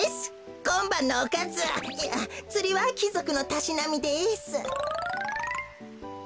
こんばんのおかずいやつりはきぞくのたしなみです。